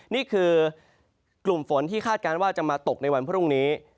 นี่คือกลุ่มฝนที่คาดการณ์ว่าจะมาตกในวันพรุ่งนี้